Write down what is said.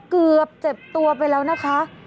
เกือบเจ็บตัวไปแล้วนะคะ